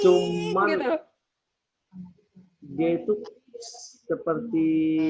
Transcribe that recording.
cuman dia itu seperti